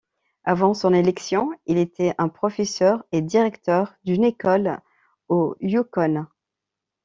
Avant son élection, il était un professeur et directeur d'une école au Yukon.